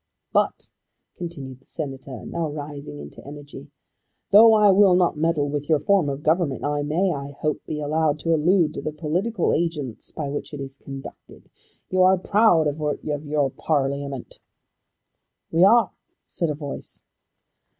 "But," continued the Senator, now rising into energy, "tho' I will not meddle with your form of government, I may, I hope, be allowed to allude to the political agents by which it is conducted. You are proud of your Parliament." "We are," said a voice.